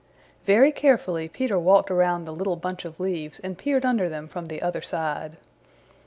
Very carefully Peter walked around the little bunch of leaves and peered under them from the other side.